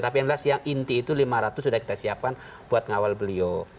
tapi yang inti itu lima ratus sudah kita siapkan buat mengawal beliau